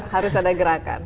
harus ada gerakan